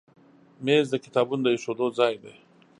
مېز د کتابونو د ایښودو ځای دی.